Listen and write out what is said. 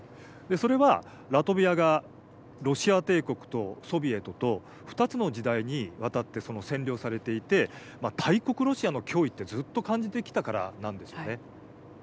それはラトビアがロシア帝国とソビエトと２つの時代にわたって占領されていて大国ロシアの脅威ってずっと感じてきたからなんですよね。